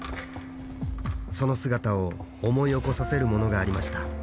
その姿を思い起こさせるものがありました